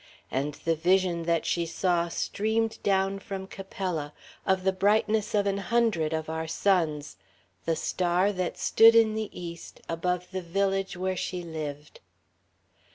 And the vision that she saw streamed down from Capella, of the brightness of an hundred of our suns, the star that stood in the east above the village where she lived.